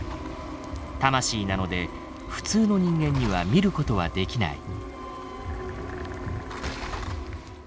魂なので普通の人間には見ることはできない。